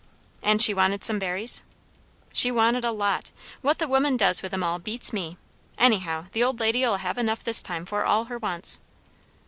"And she wanted some berries?" "She wanted a lot. What the women does with 'em all, beats me. Anyhow, the old lady'll have enough this time for all her wants."